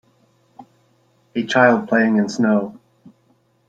A child playing in snow.